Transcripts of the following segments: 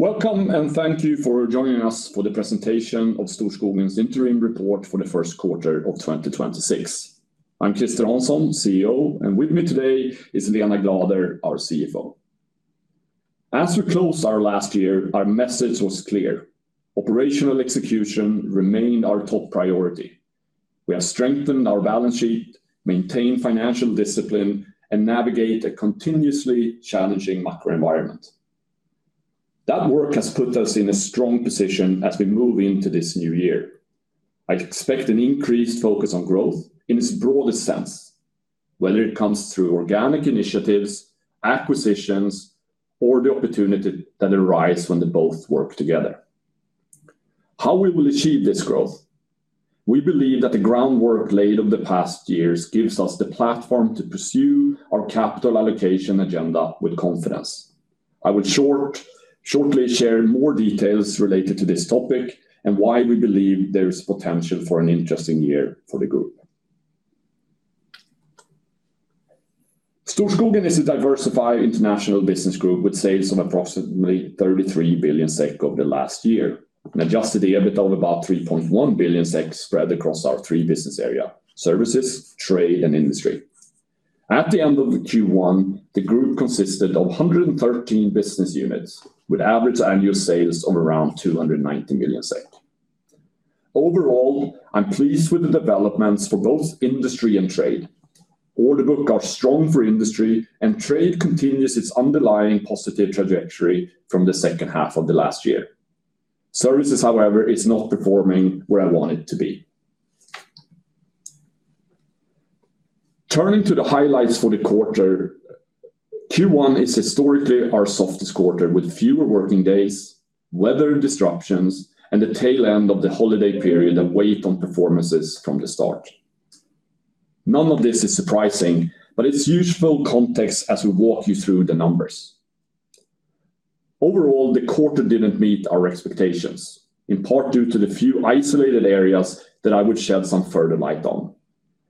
Welcome, and thank you for joining us for the presentation of Storskogen's interim report for the first quarter of 2026. I'm Christer Hansson, CEO, and with me today is Lena Glader, our CFO. As we close our last year, our message was clear: operational execution remained our top priority. We have strengthened our balance sheet, maintained financial discipline, and navigate a continuously challenging macro environment. That work has put us in a strong position as we move into this new year. I expect an increased focus on growth in its broadest sense, whether it comes through organic initiatives, acquisitions, or the opportunity that arise when they both work together. How we will achieve this growth? We believe that the groundwork laid over the past years gives us the platform to pursue our capital allocation agenda with confidence. I will shortly share more details related to this topic and why we believe there's potential for an interesting year for the group. Storskogen is a diversified international business group with sales of approximately 33 billion SEK over the last year, an adjusted EBIT of about 3.1 billion SEK spread across our three business areas: Services, Trade, and Industry. At the end of Q1, the group consisted of 113 business units, with average annual sales of around 290 million SEK. Overall, I'm pleased with the developments for both Industry and Trade. Order book are strong for Industry, and Trade continues its underlying positive trajectory from the second half of the last year. Services, however, is not performing where I want it to be. Turning to the highlights for the quarter, Q1 is historically our softest quarter, with fewer working days, weather disruptions, and the tail end of the holiday period that weighed on performances from the start. None of this is surprising, but it's useful context as we walk you through the numbers. Overall, the quarter didn't meet our expectations, in part due to the few isolated areas that I would shed some further light on.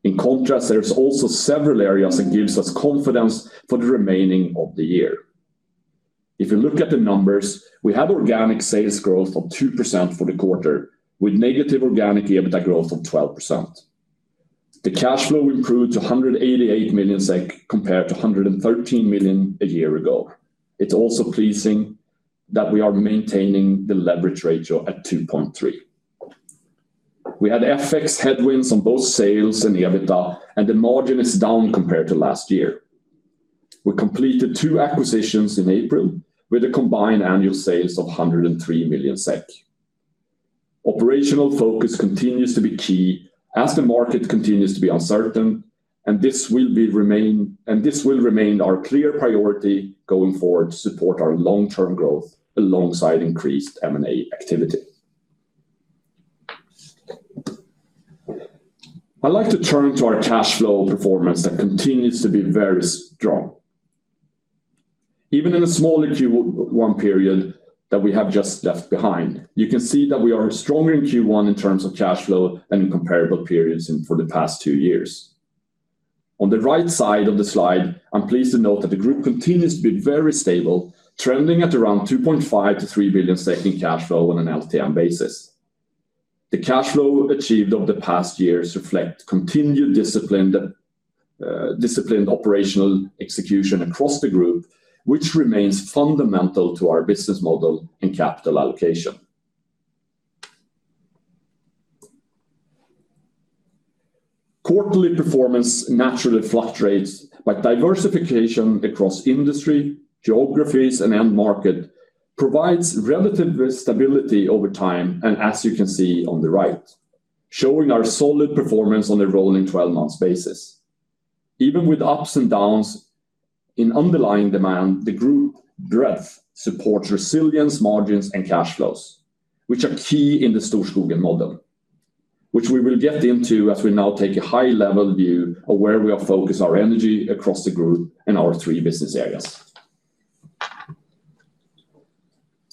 In contrast, there's also several areas that gives us confidence for the remaining of the year. If you look at the numbers, we have organic sales growth of 2% for the quarter, with negative organic EBITDA growth of 12%. The cash flow improved to 188 million SEK compared to 113 million a year ago. It's also pleasing that we are maintaining the leverage ratio at 2.3. We had FX headwinds on both sales and EBITDA. The margin is down compared to last year. We completed two acquisitions in April, with a combined annual sales of 103 million SEK. Operational focus continues to be key as the market continues to be uncertain. This will remain our clear priority going forward to support our long-term growth alongside increased M&A activity. I'd like to turn to our cash flow performance that continues to be very strong. Even in a smaller Q1 period that we have just left behind, you can see that we are stronger in Q1 in terms of cash flow and in comparable periods for the past two years. On the right side of the slide, I'm pleased to note that the group continues to be very stable, trending at around 2.5 billion-3 billion in cash flow on an LTM basis. The cash flow achieved over the past years reflect continued disciplined operational execution across the group, which remains fundamental to our business model and capital allocation. Quarterly performance naturally fluctuates, but diversification across industry, geographies, and end market provides relative stability over time and as you can see on the right, showing our solid performance on a rolling 12 months basis. Even with ups and downs in underlying demand, the group breadth supports resilience, margins, and cash flows, which are key in the Storskogen model, which we will get into as we now take a high-level view of where we have focused our energy across the group and our three business areas.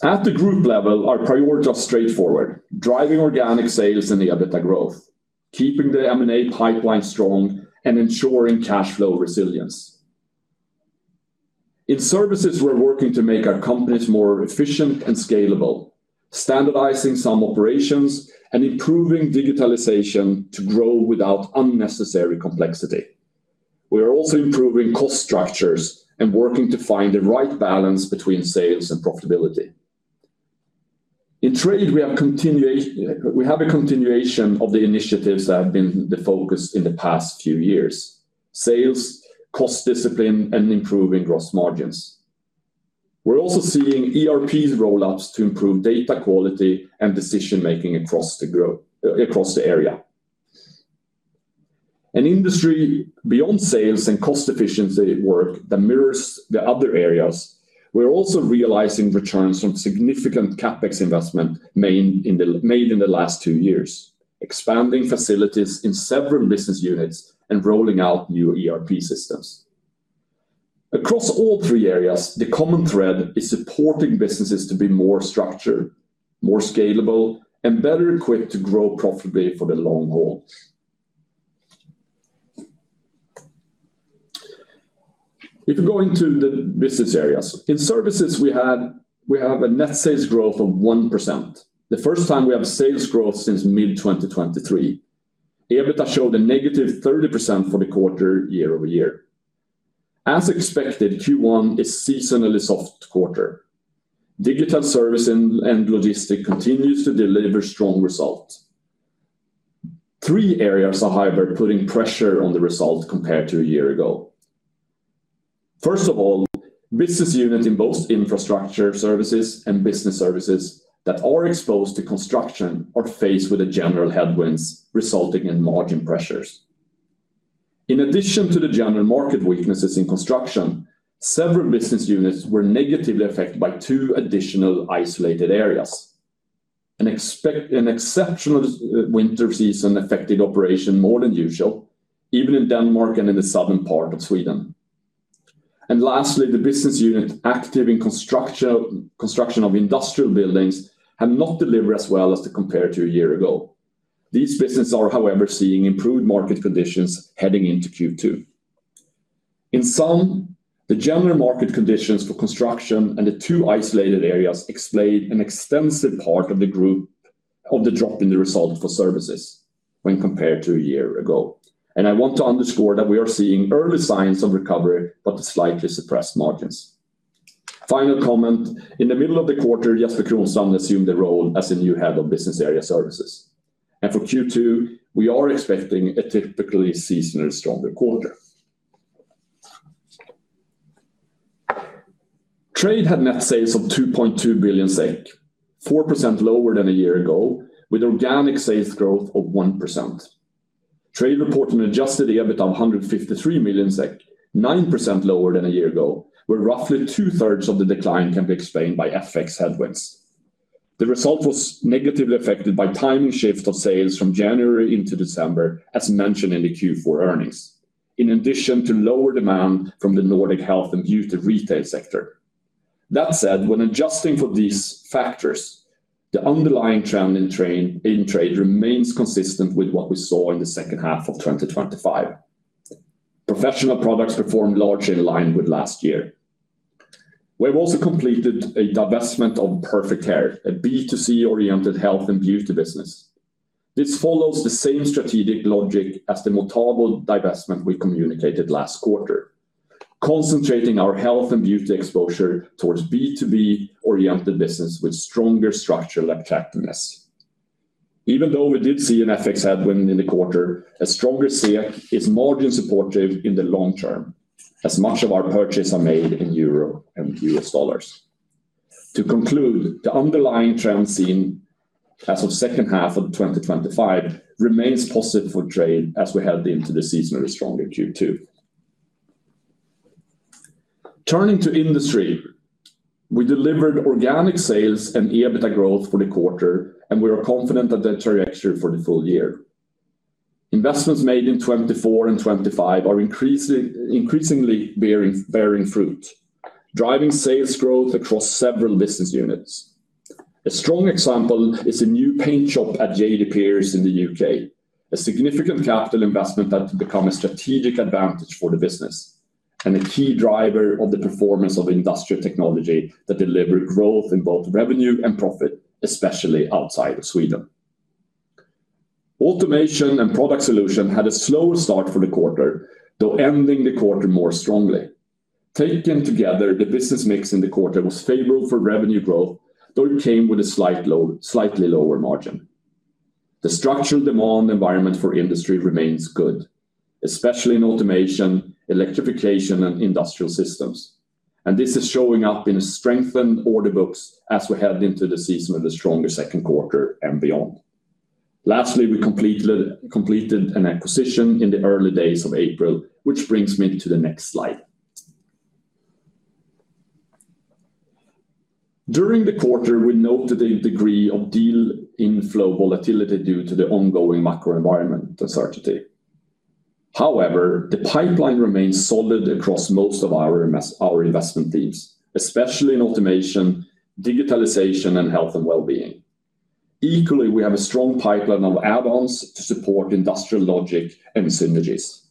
At the group level, our priorities are straightforward: driving organic sales and the EBITDA growth, keeping the M&A pipeline strong, and ensuring cash flow resilience. In services, we're working to make our companies more efficient and scalable, standardizing some operations and improving digitalization to grow without unnecessary complexity. We are also improving cost structures and working to find the right balance between sales and profitability. In trade, we have a continuation of the initiatives that have been the focus in the past few years: sales, cost discipline, and improving gross margins. We're also seeing ERP rollouts to improve data quality and decision-making across the area. In industry, beyond sales and cost efficiency work that mirrors the other areas, we're also realizing returns from significant CapEx investment made in the last two years, expanding facilities in several business units and rolling out new ERP systems. Across all three areas, the common thread is supporting businesses to be more structured, more scalable, and better equipped to grow profitably for the long haul. If you go into the business areas, in services we had, we have a net sales growth of 1%, the first time we have a sales growth since mid-2023. EBITDA showed a -30% for the quarter year-over-year. As expected, Q1 is seasonally soft quarter. Digital Services and logistic continues to deliver strong results. Three areas are, however, putting pressure on the results compared to a year ago. Business unit in both infrastructure services and business services that are exposed to construction are faced with the general headwinds resulting in margin pressures. In addition to the general market weaknesses in construction, several business units were negatively affected by two additional isolated areas. An exceptional winter season affected operation more than usual, even in Denmark and in the southern part of Sweden. Lastly, the business unit active in construction of industrial buildings have not delivered as well as to compared to a year ago. These business are, however, seeing improved market conditions heading into Q2. In sum, the general market conditions for construction and the two isolated areas explain an extensive part of the group of the drop in the result for services when compared to a year ago. I want to underscore that we are seeing early signs of recovery, but slightly suppressed margins. Final comment, in the middle of the quarter, Jesper Kronstrand assumed the role as the new Head of Business Area Services. For Q2, we are expecting a typically seasonally stronger quarter. Trade had net sales of 2.2 billion SEK, 4% lower than a year ago, with organic sales growth of 1%. Trade reported an adjusted EBIT of 153 million SEK, 9% lower than a year ago, where roughly 2/3 of the decline can be explained by FX headwinds. The result was negatively affected by timing shift of sales from January into December, as mentioned in the Q4 earnings, in addition to lower demand from the Nordic health and beauty retail sector. That said, when adjusting for these factors, the underlying trend in trade remains consistent with what we saw in the second half of 2025. Professional Products performed largely in line with last year. We have also completed a divestment of PerfectHair, a B2C-oriented health and beauty business. This follows the same strategic logic as the Motabo divestment we communicated last quarter, concentrating our health and beauty exposure towards B2B-oriented business with stronger structural attractiveness. Even though we did see an FX headwind in the quarter, a stronger SEK is margin supportive in the long term, as much of our purchase are made in euros and U.S. Dollars. To conclude, the underlying trend seen as of second half of 2025 remains positive for trade as we head into the seasonally stronger Q2. Turning to industry, we delivered organic sales and EBITDA growth for the quarter. We are confident that the trajectory for the full year. Investments made in 2024 and 2025 are increasingly bearing fruit, driving sales growth across several business units. A strong example is a new paint job at J&D Pierce in the U.K., a significant capital investment that became a strategic advantage for the business, and a key driver of the performance of Industrial Technology that delivered growth in both revenue and profit, especially outside of Sweden. Automation and Product Solutions had a slower start for the quarter, though ending the quarter more strongly. Taken together, the business mix in the quarter was favorable for revenue growth, though it came with a slightly lower margin. The structural demand environment for industry remains good, especially in automation, electrification, and industrial systems. This is showing up in strengthened order books as we head into the season with a stronger second quarter and beyond. Lastly, we completed an acquisition in the early days of April, which brings me to the next slide. During the quarter, we noted a degree of deal inflow volatility due to the ongoing macro environment uncertainty. However, the pipeline remains solid across most of our investment themes, especially in automation, digitalization, and health and well-being. Equally, we have a strong pipeline of add-ons to support industrial logic and synergies.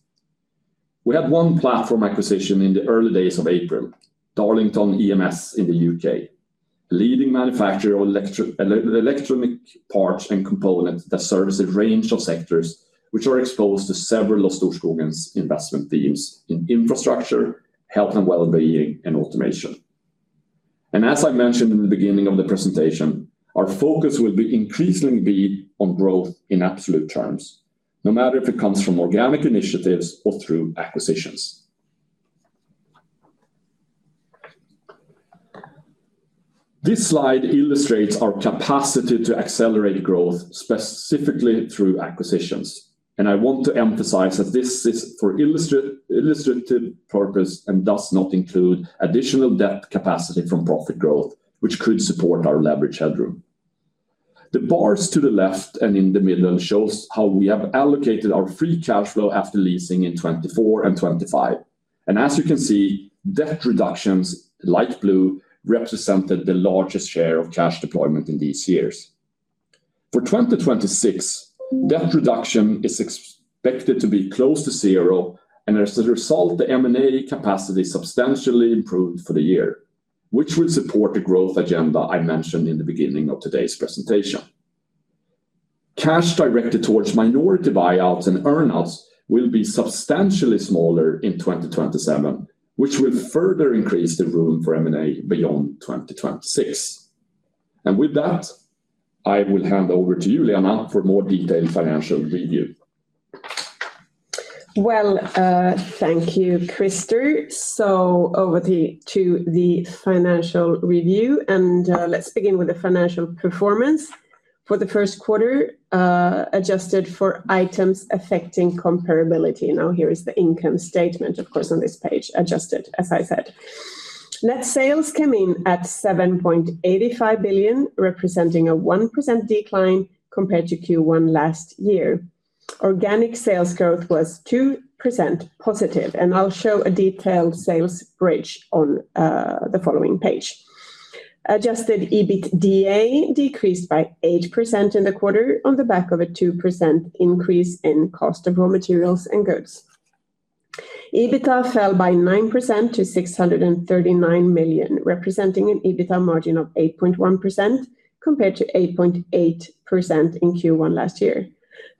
We had one platform acquisition in the early days of April, Darlington EMS in the U.K., leading manufacturer of electronic parts and components that service a range of sectors which are exposed to several of Storskogen's investment themes in infrastructure, health and well-being, and automation. As I mentioned in the beginning of the presentation, our focus will increasingly be on growth in absolute terms, no matter if it comes from organic initiatives or through acquisitions. This slide illustrates our capacity to accelerate growth, specifically through acquisitions, and I want to emphasize that this is for illustrative purpose and does not include additional debt capacity from profit growth, which could support our leverage headroom. The bars to the left and in the middle shows how we have allocated our free cash flow after leasing in 2024 and 2025. As you can see, debt reductions, light blue, represented the largest share of cash deployment in these years. For 2026, debt reduction is expected to be close to zero, and as a result, the M&A capacity substantially improved for the year, which will support the growth agenda I mentioned in the beginning of today's presentation. Cash directed towards minority buyouts and earn-outs will be substantially smaller in 2027, which will further increase the room for M&A beyond 2026. With that, I will hand over to you, Lena, for a more detailed financial review. Well, thank you, Christer. Over to the financial review, and let's begin with the financial performance for the first quarter, adjusted for items affecting comparability. Here is the income statement, of course, on this page, adjusted, as I said. Net sales came in at 7.85 billion, representing a 1% decline compared to Q1 last year. Organic sales growth was 2% positive, and I'll show a detailed sales bridge on the following page. Adjusted EBITDA decreased by 8% in the quarter on the back of a 2% increase in cost of raw materials and goods. EBITA fell by 9% to 639 million, representing an EBITA margin of 8.1% compared to 8.8% in Q1 last year.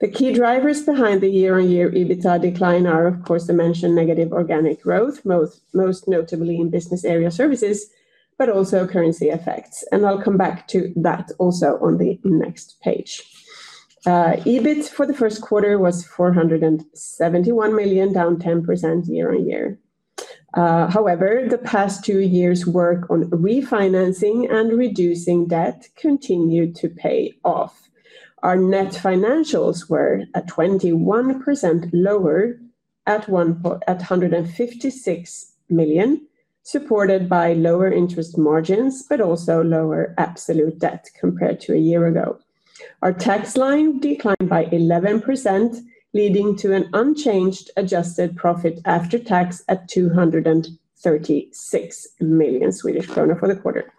The key drivers behind the year-on-year EBITA decline are, of course, the mentioned negative organic growth, most notably in business area Services, also currency effects. I'll come back to that also on the next page. EBIT for the first quarter was 471 million, down 10% year-on-year. However, the past two years' work on refinancing and reducing debt continued to pay off. Our net financials were 21% lower at 156 million, supported by lower interest margins, also lower absolute debt compared to a year ago. Our tax line declined by 11%, leading to an unchanged adjusted profit after tax at 236 million Swedish kronor for the quarter.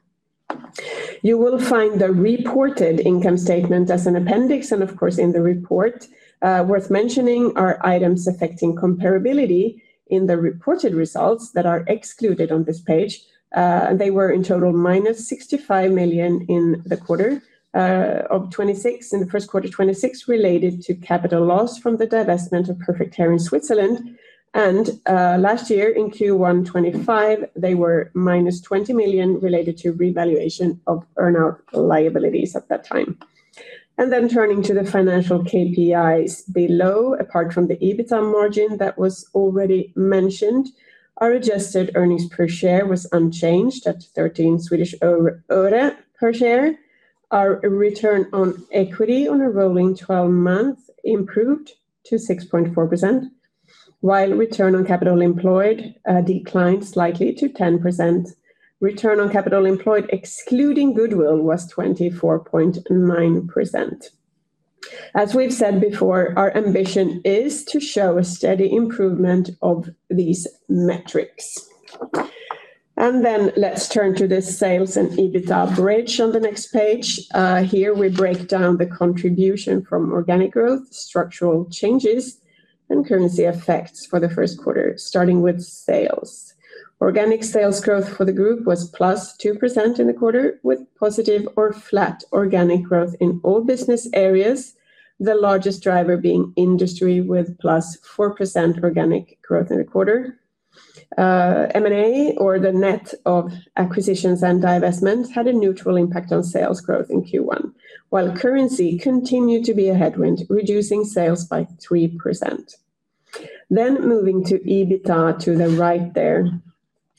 You will find the reported income statement as an appendix and of course in the report. Worth mentioning are items affecting comparability in the reported results that are excluded on this page. They were in total -65 million in the quarter, in the first quarter, 26 million related to capital loss from the divestment of PerfectHair in Switzerland. Last year in Q1 2025, they were -20 million related to revaluation of earn-out liabilities at that time. Turning to the financial KPIs below, apart from the EBITA margin that was already mentioned, our adjusted earnings per share was unchanged at SEK 0.13 per share. Our return on equity on a rolling 12-month improved to 6.4%, while return on capital employed declined slightly to 10%. Return on capital employed, excluding goodwill, was 24.9%. As we've said before, our ambition is to show a steady improvement of these metrics. Then let's turn to the sales and EBITA bridge on the next page. Here we break down the contribution from organic growth, structural changes, and currency effects for the first quarter, starting with sales. Organic sales growth for the group was +2% in the quarter, with positive or flat organic growth in all business areas, the largest driver being Industry with +4% organic growth in the quarter. M&A or the net of acquisitions and divestments had a neutral impact on sales growth in Q1, while currency continued to be a headwind, reducing sales by 3%. Moving to EBITA to the right there.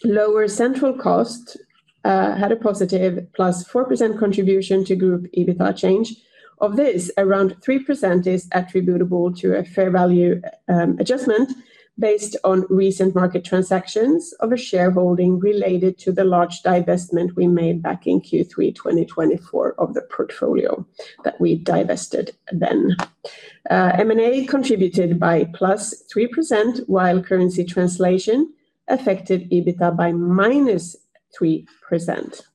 Lower central cost had a positive +4% contribution to group EBITA change. Of this, around 3% is attributable to a fair value adjustment based on recent market transactions of a shareholding related to the large divestment we made back in Q3 2024 of the portfolio that we divested then. M&A contributed by +3%, while currency translation affected EBITA by -3%.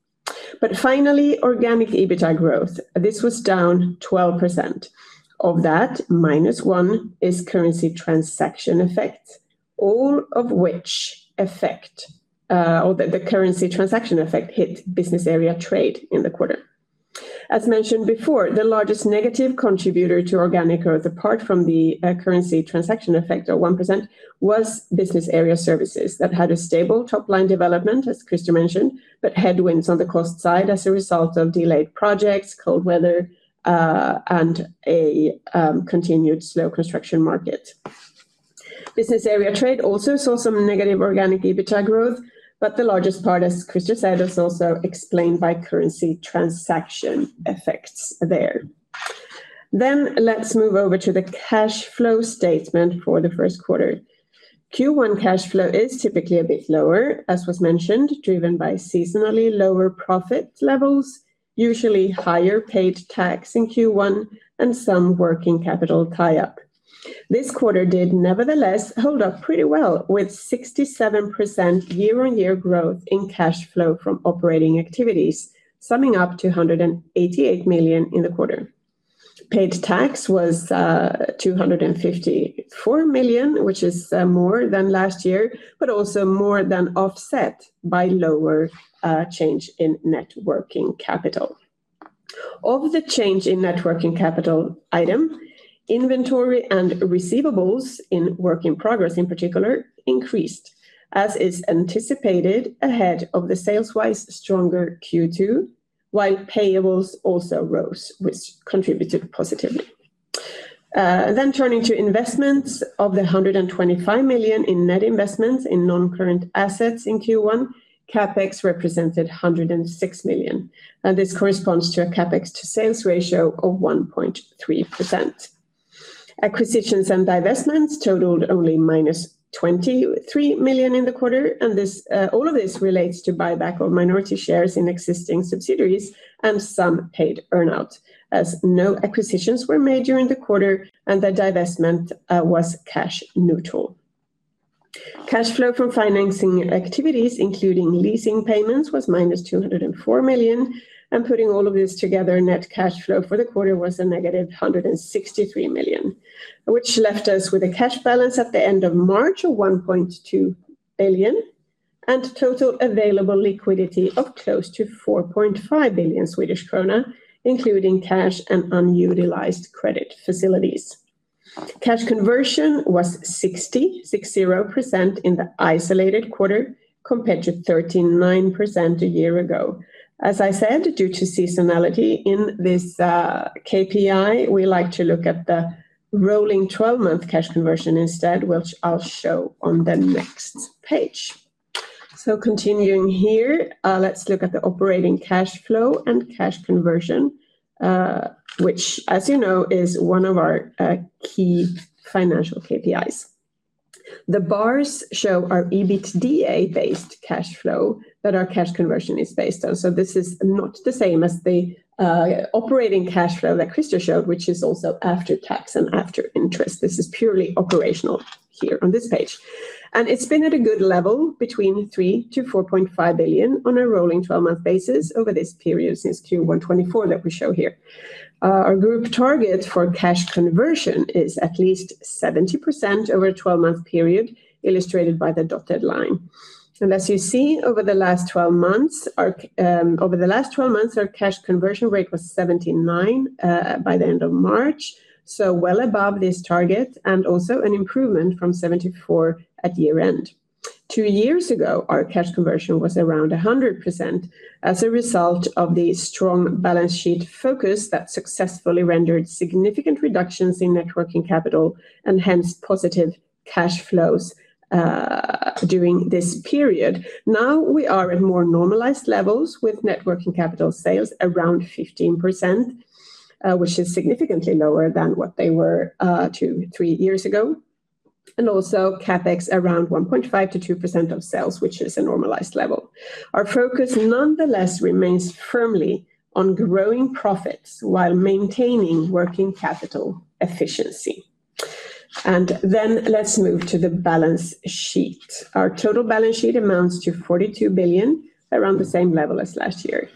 Finally, organic EBITA growth. This was down 12%. Of that, -1% is currency transaction effects, the currency transaction effect hit business area Trade in the quarter. As mentioned before, the largest negative contributor to organic growth, apart from the currency transaction effect of 1%, was business area Services that had a stable top-line development, as Christer mentioned, but headwinds on the cost side as a result of delayed projects, cold weather, and a continued slow construction market. Business area trade also saw some negative organic EBITA growth, but the largest part, as Christer said, is also explained by currency transaction effects there. Let's move over to the cash flow statement for the first quarter. Q1 cash flow is typically a bit lower, as was mentioned, driven by seasonally lower profit levels, usually higher paid tax in Q1, and some working capital tie-up. This quarter did nevertheless hold up pretty well with 67% year-on-year growth in cash flow from operating activities, summing up to 188 million in the quarter. Paid tax was 254 million, which is more than last year, but also more than offset by lower change in Net Working Capital. Of the change in Net Working Capital item, inventory and receivables in work in progress, in particular, increased as is anticipated ahead of the sales-wise stronger Q2, while payables also rose, which contributed positively. Turning to investments. Of the 125 million in net investments in non-current assets in Q1, CapEx represented 106 million, and this corresponds to a CapEx to sales ratio of 1.3%. Acquisitions and divestments totaled only -23 million in the quarter. All of this relates to buyback of minority shares in existing subsidiaries and some paid earn-out, as no acquisitions were made during the quarter and the divestment was cash neutral. Cash flow from financing activities, including leasing payments, was -204 million. Putting all of this together, net cash flow for the quarter was a -163 million, which left us with a cash balance at the end of March of 1.2 billion, and total available liquidity of close to 4.5 billion Swedish krona, including cash and unutilized credit facilities. Cash conversion was 60% in the isolated quarter compared to 39% a year ago. As I said, due to seasonality in this KPI, we like to look at the rolling 12-month cash conversion instead, which I'll show on the next page. Continuing here, let's look at the operating cash flow and cash conversion, which as you know is one of our key financial KPIs. The bars show our EBITDA-based cash flow that our cash conversion is based on. This is not the same as the operating cash flow that Christer showed, which is also after tax and after interest. This is purely operational here on this page. It's been at a good level between 3 billion to 4.5 billion on a rolling 12-month basis over this period since Q1 2024 that we show here. Our group target for cash conversion is at least 70% over a 12-month period, illustrated by the dotted line. As you see, over the last 12 months, our cash conversion rate was 79 by the end of March, well above this target and also an improvement from 74 at year-end. Two years ago, our cash conversion was around 100% as a result of the strong balance sheet focus that successfully rendered significant reductions in net working capital and hence positive cash flows during this period. Now we are at more normalized levels with net working capital sales around 15%, which is significantly lower than what they were two, three years ago. Also CapEx around 1.5%-2% of sales, which is a normalized level. Our focus nonetheless remains firmly on growing profits while maintaining working capital efficiency. Then let's move to the balance sheet. Our total balance sheet amounts to 42 billion, around the same level as last year.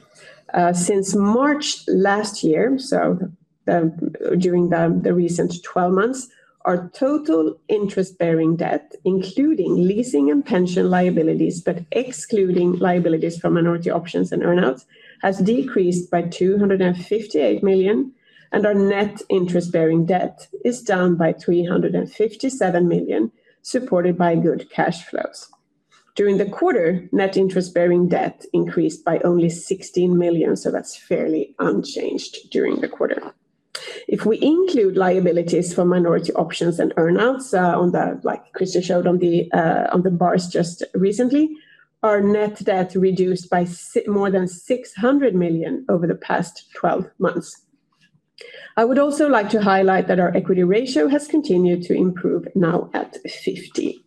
Since March last year, during the recent 12 months, our total interest-bearing debt, including leasing and pension liabilities, but excluding liabilities from minority options and earn-outs, has decreased by 258 million, and our net interest-bearing debt is down by 357 million, supported by good cash flows. During the quarter, net interest-bearing debt increased by only 16 million, that's fairly unchanged during the quarter. If we include liabilities for minority options and earn-outs, like Christer showed on the bars just recently, our net debt reduced by more than 600 million over the past 12 months. I would also like to highlight that our equity ratio has continued to improve, now at 50%.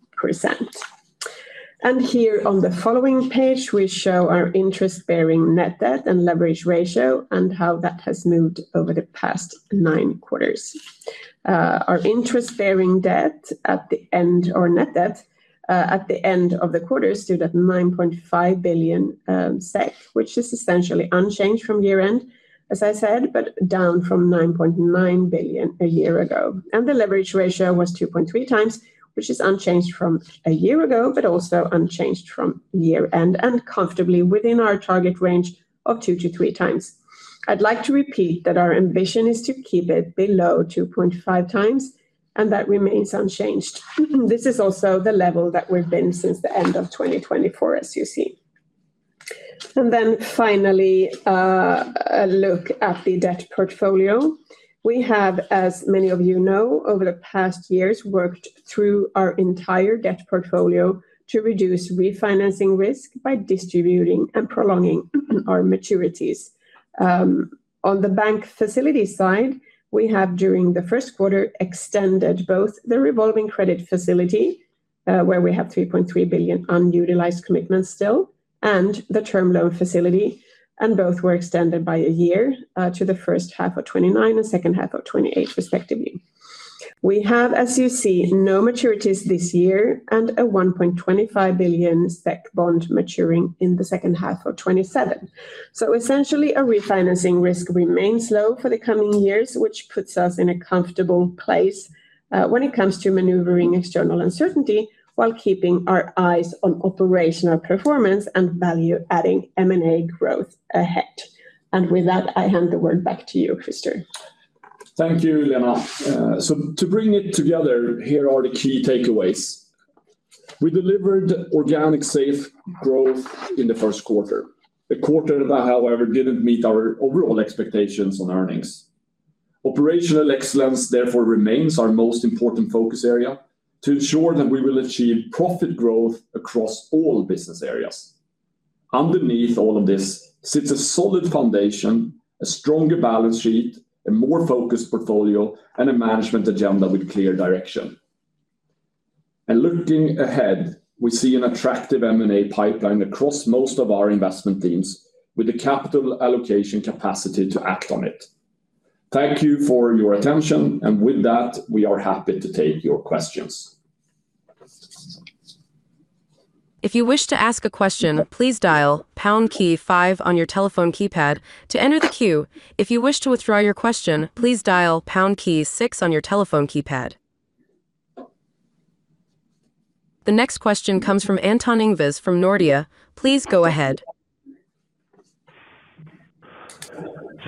Here on the following page, we show our interest-bearing net debt and leverage ratio and how that has moved over the past nine quarters. Our interest-bearing net debt at the end of the quarter stood at 9.5 billion SEK, which is essentially unchanged from year-end, as I said, but down from 9.9 billion a year ago. The leverage ratio was 2.3x, which is unchanged from a year ago, but also unchanged from year-end, and comfortably within our target range of 2x-3x. I'd like to repeat that our ambition is to keep it below 2.5x, and that remains unchanged. This is also the level that we've been since the end of 2024, as you see. Finally, a look at the debt portfolio. We have, as many of you know, over the past years, worked through our entire debt portfolio to reduce refinancing risk by distributing and prolonging our maturities. On the bank facility side, we have during the first quarter extended both the revolving credit facility, where we have 3.3 billion unutilized commitments still, and the term loan facility. Both were extended by a year to the first half of 2029 and second half of 2028 respectively. We have, as you see, no maturities this year and a 1.25 billion SEK SEK bond maturing in the second half of 2027. Essentially, a refinancing risk remains low for the coming years, which puts us in a comfortable place when it comes to maneuvering external uncertainty while keeping our eyes on operational performance and value-adding M&A growth ahead. With that, I hand the word back to you, Christer. Thank you, Lena. To bring it together, here are the key takeaways. We delivered organic sales growth in the first quarter. The quarter that, however, didn't meet our overall expectations on earnings. Operational excellence therefore remains our most important focus area to ensure that we will achieve profit growth across all business areas. Underneath all of this sits a solid foundation, a stronger balance sheet, a more focused portfolio, and a management agenda with clear direction. Looking ahead, we see an attractive M&A pipeline across most of our investment themes with the capital allocation capacity to act on it. Thank you for your attention. With that, we are happy to take your questions. The next question comes from Anton Ingves from Nordea. Please go ahead.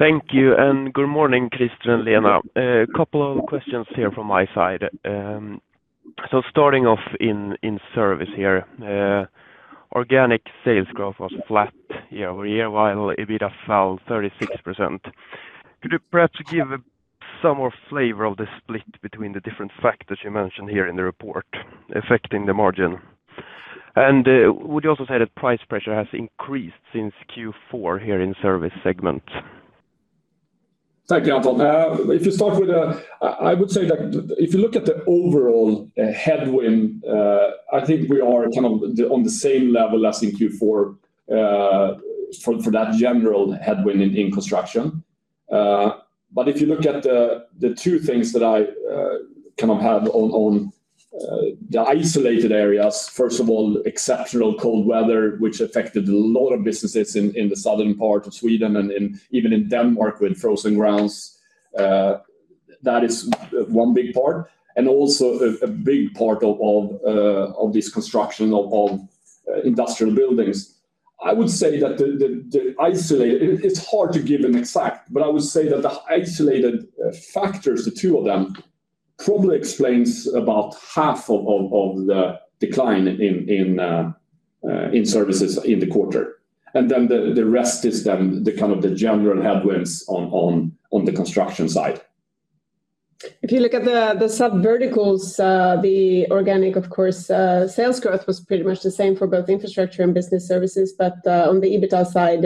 Thank you, and good morning, Christer and Lena. A couple of questions here from my side. Starting off in Service here, organic sales growth was flat year-over-year, while EBITA fell 36%. Could you perhaps give some more flavor of the split between the different factors you mentioned here in the report affecting the margin? Would you also say that price pressure has increased since Q4 here in Service segment? Thank you, Anton. I would say that if you look at the overall headwind, I think we are kind of the, on the same level as in Q4, for that general headwind in construction. If you look at the two things that I kind of have on the isolated areas, first of all, exceptional cold weather, which affected a lot of businesses in the southern part of Sweden and even in Denmark with frozen grounds. That is one big part and also a big part of this construction of industrial buildings. I would say that the isolated, it's hard to give an exact, but I would say that the isolated factors, the two of them, probably explains about half of the decline in Services in the quarter. The rest is then the kind of the general headwinds on the construction side. If you look at the subverticals, the organic, of course, sales growth was pretty much the same for both infrastructure and business services. On the EBITA side,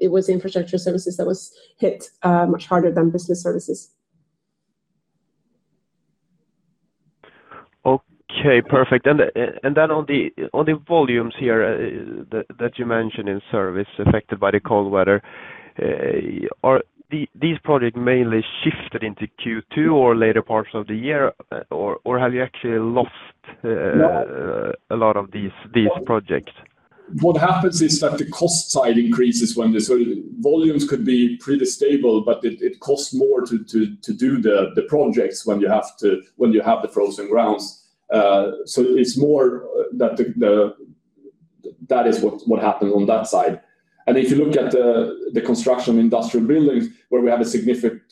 it was infrastructure services that was hit much harder than business services. Okay. Perfect. Then on the volumes here that you mentioned in Service affected by the cold weather, are these projects mainly shifted into Q2 or later parts of the year, or have you actually lost? Yeah... a lot of these projects? What happens is that the cost side increases when volumes could be pretty stable, but it costs more to do the projects when you have the frozen grounds. It's more that That is what happened on that side. If you look at the construction of industrial buildings where we have a significant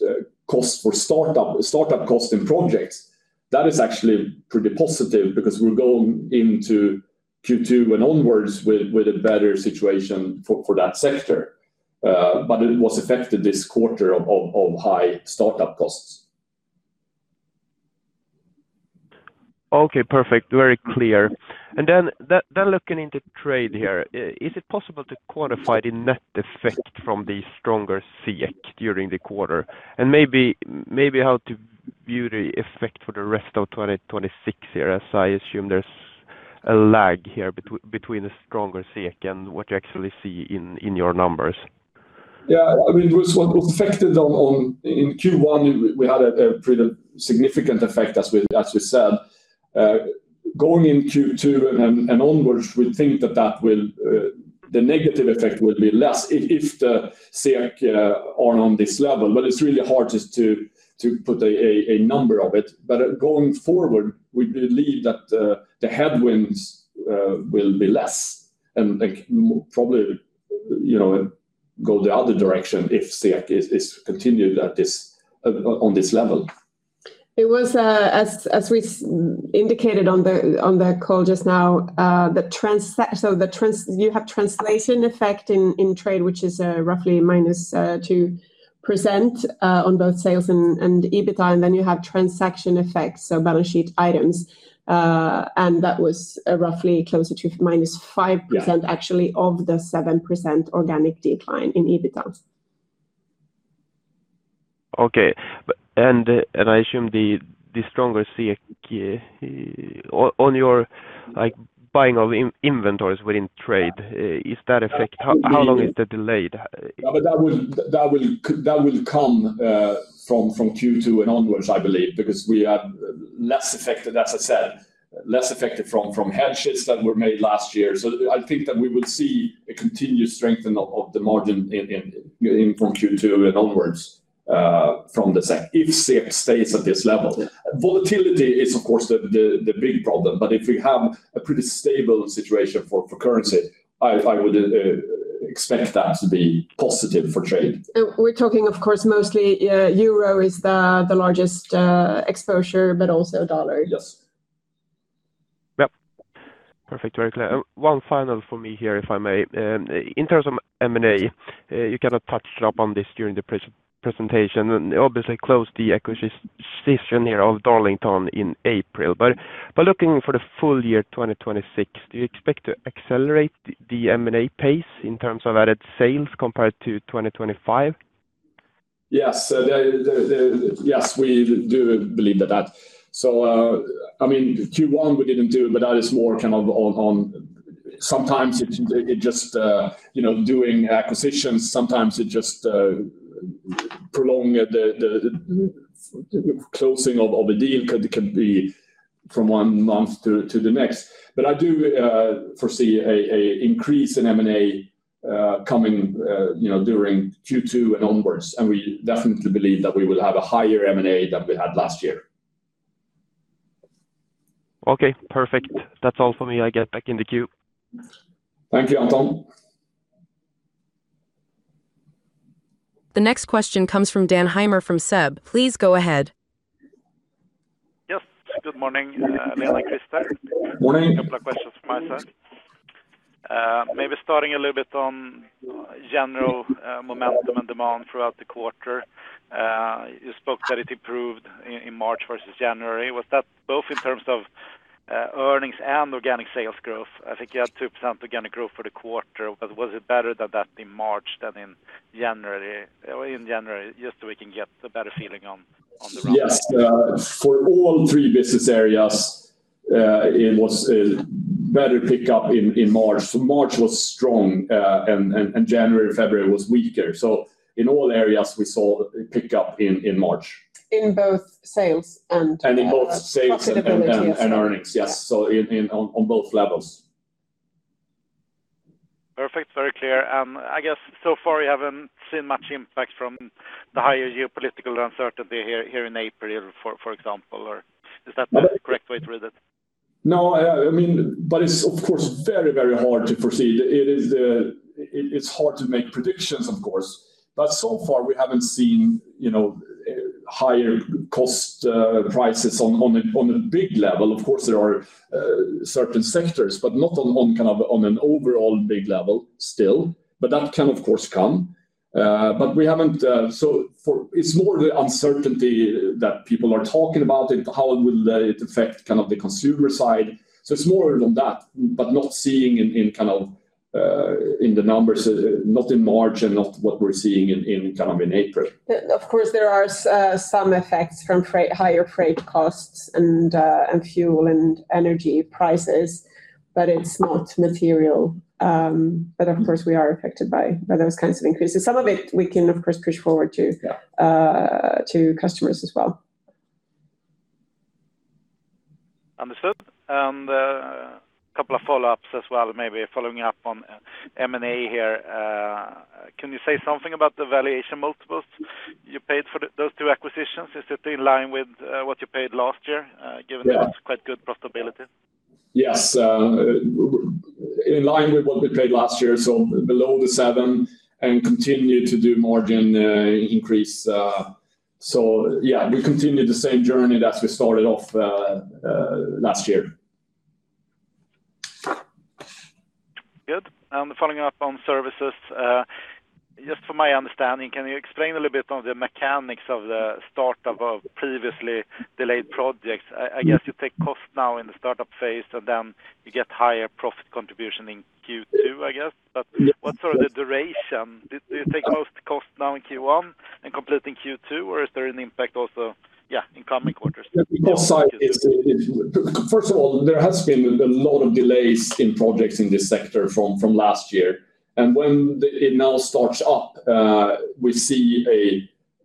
cost for startup cost in projects, that is actually pretty positive because we're going into Q2 and onwards with a better situation for that sector. It was affected this quarter of high startup costs. Okay. Perfect. Very clear. Then looking into trade here, is it possible to quantify the net effect from the stronger SEK during the quarter? Maybe how to view the effect for the rest of 2026 here, as I assume there's a lag here between the stronger SEK and what you actually see in your numbers. Yeah. I mean, it was affected on. In Q1, we had a pretty significant effect as we said. Going in Q2 and onwards, we think that will, the negative effect will be less if the SEK are on this level. It's really hard just to put a number of it. Going forward, we believe that the headwinds will be less and, like, probably, you know, go the other direction if SEK is continued on this level. It was, as we indicated on the call just now, you have translation effect in trade, which is roughly -2% on both sales and EBITA. Then you have transaction effects, so balance sheet items, and that was roughly closer to -5%, actually, of the 7% organic decline in EBITAs. Okay. And I assume the stronger SEK on your, like, buying of inventories within Trade, is that effect-? We- How long is the delayed? No. That will come from Q2 and onwards, I believe, because we are less affected, as I said, from head shifts that were made last year. I think that we will see a continued strength in the margin in from Q2 and onwards from the SEK, if SEK stays at this level. Volatility is of course the big problem, if we have a pretty stable situation for currency, I would expect that to be positive for trade. We're talking, of course, mostly, euro is the largest, exposure, but also dollar. Yes. Yep. Perfect. Very clear. One final for me here, if I may. In terms of M&A, you kind of touched up on this during the presentation, and obviously closed the acquisition here of Darlington in April. Looking for the full year 2026, do you expect to accelerate the M&A pace in terms of added sales compared to 2025? Yes. Yes, we do believe that. I mean, Q1 we didn't do, but that is more kind of on. Sometimes it just, you know, doing acquisitions, sometimes it just prolong the closing of a deal. It could be from one month to the next. I do foresee a increase in M&A coming, you know, during Q2 and onwards, and we definitely believe that we will have a higher M&A than we had last year. Okay, perfect. That's all for me. I get back in the queue. Thank you, Anton. The next question comes from Dan Heimer from SEB. Please go ahead. Yes. Good morning, Lena and Christer. Morning. A couple of questions from my side. Maybe starting a little bit on general momentum and demand throughout the quarter. You spoke that it improved in March versus January. Was that both in terms of earnings and organic sales growth? I think you had 2% organic growth for the quarter, but was it better than that in March than in January, or in January? Just so we can get a better feeling on the ground. Yes. For all three business areas, it was a better pickup in March. March was strong, and January, February was weaker. In all areas we saw a pickup in March. In both sales and. In both sales and earnings. profitability as well. Yes. Yeah. In on both levels. Perfect. Very clear. I guess so far you haven't seen much impact from the higher geopolitical uncertainty here in April, for example, or is that the correct way to read it? I mean, it's of course very, very hard to foresee. It is, it's hard to make predictions, of course. So far we haven't seen, you know, higher cost prices on a big level. Of course, there are certain sectors, but not on kind of an overall big level still. That can of course come. We haven't. So for, it's more the uncertainty that people are talking about it, how it will affect kind of the consumer side. It's more than that, but not seeing in kind of in the numbers, not in March and not what we're seeing in kind of in April. Of course, there are some effects from freight, higher freight costs, fuel and energy prices. It's not material. Of course we are affected by those kinds of increases. Some of it we can of course push forward to. Yeah to customers as well. Understood. A couple of follow-ups as well. Maybe following up on M&A here. Can you say something about the valuation multiples you paid for those two acquisitions? Is it in line with what you paid last year? Yeah given it's quite good profitability? Yes. In line with what we paid last year, so below the seven, and continue to do margin increase. Yeah, we continue the same journey that we started off last year. Good. Following up on Services, just for my understanding, can you explain a little bit on the mechanics of the startup of previously delayed projects? I guess you take cost now in the startup phase, then you get higher profit contribution in Q2, I guess. What sort of the duration? Do you take most cost now in Q1 and complete in Q2, or is there an impact also in coming quarters? Yes. It's, it's... First of all, there has been a lot of delays in projects in this sector from last year. When the, it now starts up, we see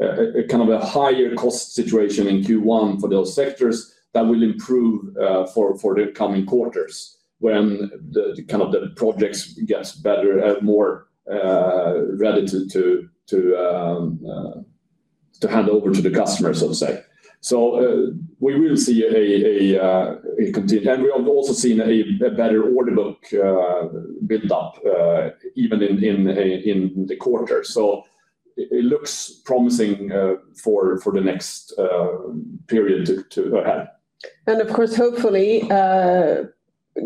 a kind of a higher cost situation in Q1 for those sectors that will improve for the coming quarters, when the kind of the projects gets better and more ready to hand over to the customer, so to say. We will see a contin-- And we have also seen a better order book build up even in the quarter. It looks promising for the next period to go ahead. Of course, hopefully,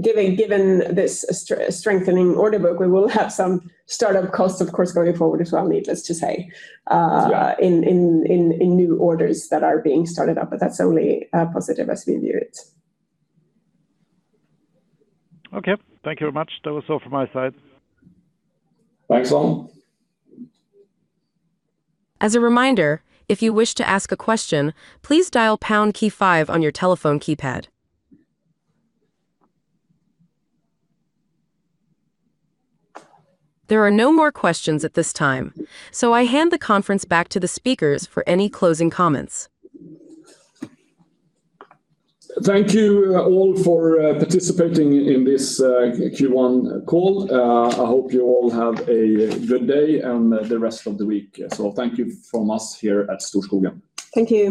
given this strengthening order book, we will have some startup costs, of course, going forward as well, needless to say. Yeah in new orders that are being started up, that's only positive as we view it. Okay. Thank you very much. That was all from my side. Thanks, all. There are no more questions at this time. I hand the conference back to the speakers for any closing comments. Thank you all for participating in this Q1 call. I hope you all have a good day and the rest of the week. Thank you from us here at Storskogen. Thank you